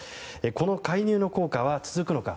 この介入の効果は続くのか。